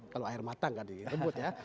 kalau air matang kan direbut ya